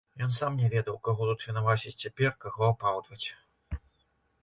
Ён сам не ведаў, каго тут вінаваціць цяпер, каго апраўдваць.